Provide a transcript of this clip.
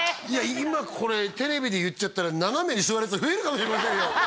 今これテレビで言っちゃったら斜めに座るヤツ増えるかもしれませんよ